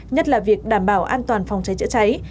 nhất là việc đảm bảo an toàn phòng trái chữa trái